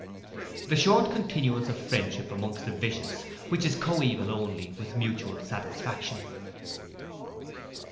The short continuance of friendship amongst the vicious, which is coeval only with mutual satisfaction.